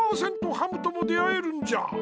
ハムとも出会えるんじゃ！